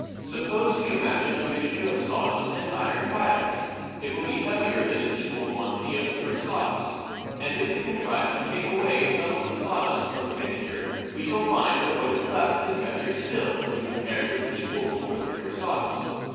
Suppose we imagine a mixture of sawdust and iron filings: it will be heavier than an equal quantity of pure sawdust. And if we contrive to take away some of the sawdust from the mixture we shall find that what is left is heavier still, when compared with an equal bulk of pure sawdust.